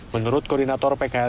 menurut koordinator pkl